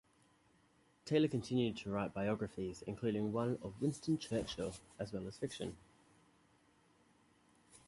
Taylor continued to write biographies, including one of Winston Churchill, as well as fiction.